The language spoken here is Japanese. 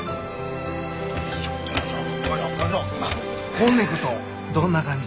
こんねくとどんな感じ？